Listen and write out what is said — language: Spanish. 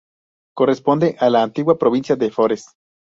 Corresponde a la antigua provincia de Forez.